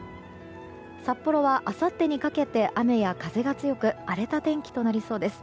札幌はあさってにかけて雨や風が強く荒れた天気となりそうです。